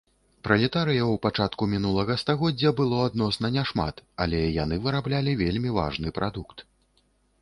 Пралетарыяў пачатку мінулага стагоддзя было адносна няшмат, але яны выраблялі вельмі важны прадукт.